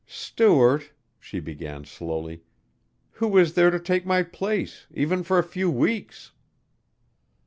"Stuart," she began slowly, "who is there to take my place, even for a few weeks?"